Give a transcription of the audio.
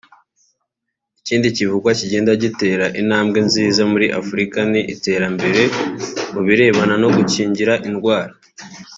Ikindi kivugwa kigenda gitera intambwe nziza muri Afrika ni iterambere mu birebana no gukingira indwara